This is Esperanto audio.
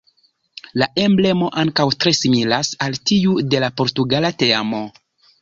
La emblemo ankaŭ tre similas al tiu de la portugala teamo.